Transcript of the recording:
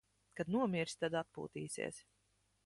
Kad nomirsi, tad atpūtīsies.